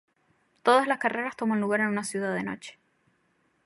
Todas las carreras toman lugar en una ciudad de noche.